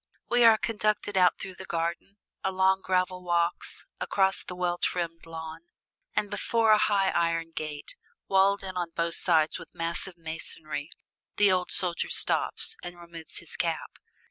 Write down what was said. We are conducted out through the garden, along gravel walks, across the well trimmed lawn; and before a high iron gate, walled in on both sides with massive masonry, the old soldier stops, and removes his cap.